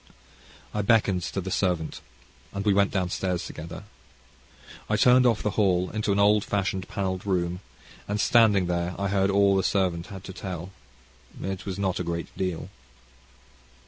I beckoned to the servant, and we went downstairs together. I turned off the hall into an old fashioned panelled room, and there standing, I heard all the servant had to tell. It was not a great deal.